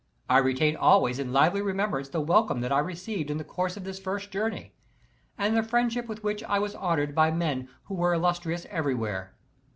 I retain always in lively remembrance the welcome that I received in the course of this first journey, and the friendship with which I was honored by men who are illustrious everywhere.